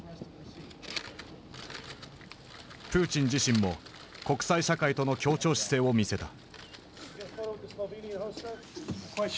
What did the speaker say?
プーチン自身も国際社会との協調姿勢を見せた。